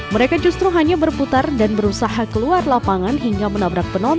mereka justru hanya berputar dan berusaha keluar lapangan hingga menabrak penonton